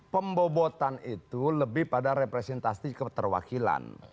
pembobotan itu lebih pada representasi keterwakilan